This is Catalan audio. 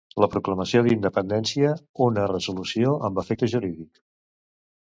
La proclamació d'independència, una resolució “amb efecte jurídic”.